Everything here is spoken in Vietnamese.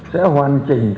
sẽ hoàn chỉnh